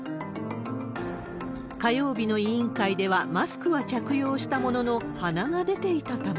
火曜日の委員会では、マスクは着用したものの、鼻が出ていたため。